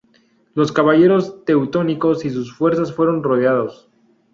Los caballeros teutónicos y sus fuerzas fueron rodeados.